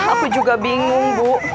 aku juga bingung bu